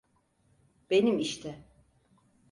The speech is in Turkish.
Benim işte.